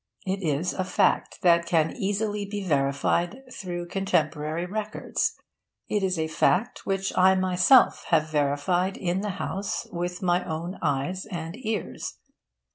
It is a fact that can easily be verified through contemporary records. It is a fact which I myself have verified in the House with my own eyes and ears.